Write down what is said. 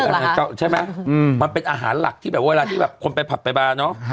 หลังเลิกเหรอคะใช่ไหมมันเป็นอาหารหลักที่แบบเวลาที่คนไปพับไปบาร์เนอะ